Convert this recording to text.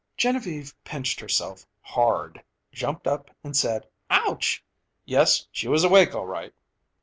Genevieve pinched herself hard, jumped and said "ouch." Yes, she was awake, all right!